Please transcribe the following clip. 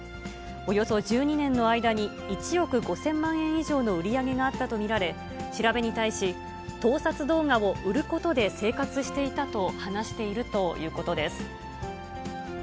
およそ１２年の間に１億５０００万円以上の売り上げがあったと見られ、調べに対し、盗撮動画を売ることで生活していたと話しているということです。